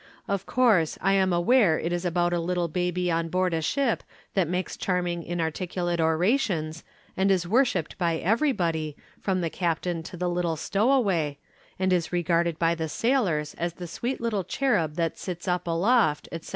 Of course, I am aware it is about a little baby on board a ship that makes charming inarticulate orations and is worshipped by everybody, from the captain to the little stowaway, and is regarded by the sailors as the sweet little cherub that sits up aloft, etc.